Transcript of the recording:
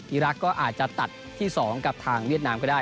อีรักษ์ก็อาจจะตัดที่๒กับทางเวียดนามก็ได้